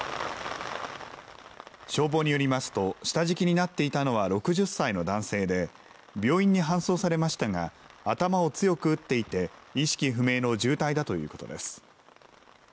消防によりますと、下敷きになっていたのは６０歳の男性で、病院に搬送されましたが、頭を強く打っていて、意識不明の重体だということです。